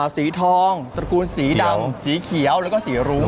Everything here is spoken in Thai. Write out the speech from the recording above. สีทองตระกูลสีดำสีเขียวแล้วก็สีรุ้ง